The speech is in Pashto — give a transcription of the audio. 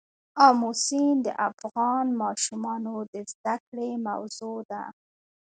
آمو سیند د افغان ماشومانو د زده کړې موضوع ده.